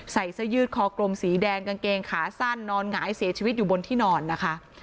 ใส่เสื้อยืดคอกลมสีแดงกางเกงขาสั้นนอนหงายเสียชีวิตอยู่บนที่นอนนะคะ